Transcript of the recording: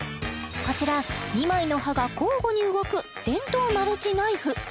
こちら２枚の刃が交互に動く電動マルチナイフ